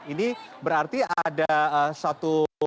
ini berarti ada satu